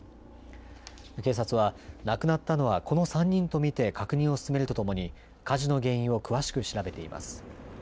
警察は亡くなったのはこの３人と見て確認を進めるとともに火事の原因を詳しく調べています。